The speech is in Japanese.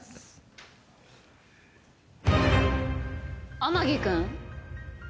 「天樹くん？」